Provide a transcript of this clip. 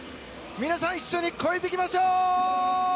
皆さん一緒に超えていきましょう！